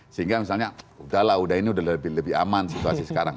sehingga misalnya udahlah udah ini udah lebih aman situasi sekarang